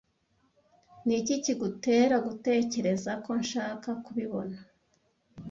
Niki kigutera gutekereza ko nshaka kubibona?